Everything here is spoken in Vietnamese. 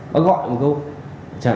bác gọi một câu